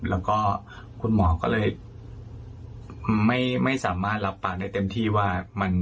แล้วก็คุณหมอก็เลยไม่สามารถรับปากได้เต็มที่ว่า